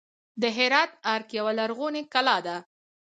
د هرات ارګ یوه لرغونې کلا ده